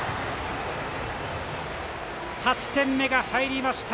８点目が入りました！